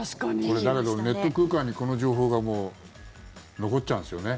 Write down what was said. だけど、ネット空間にこの情報が残っちゃうんですよね？